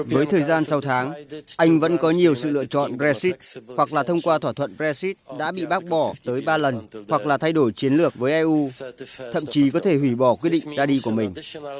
với thời gian sau tháng anh vẫn có nhiều sự lựa chọn brexit hoặc là thông qua thỏa thuận brexit đã bị bác bỏ tới ba lần hoặc là thay đổi chiến lược với eu thậm chí có thể hủy bỏ quyết định ra đi của mình